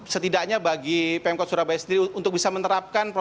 setidaknya bagi pemkot surabaya sendiri untuk bisa menerapkan protokol